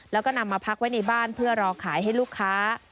และนำมาพักจากบ้านเพื่อรอขายให้ลูกค้า